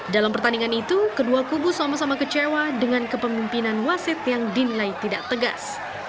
dalam pertandingan itu kedua kubu sama sama kecewa dengan kepemimpinan wasit yang dinilai tidak tegas